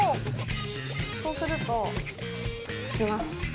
そうするとつきます。